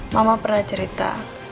mama pernah cerita